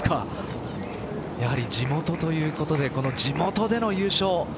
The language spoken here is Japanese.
やはり地元ということで地元での優勝